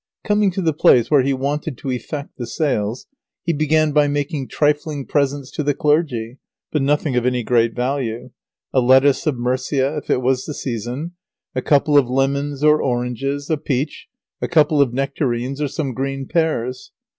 Coming to the place where he wanted to effect the sales, he began by making trifling presents to the clergy, but nothing of any great value: a lettuce of Murcia if it was the season, a couple of lemons or oranges, a peach, a couple of nectarines, or some green pears.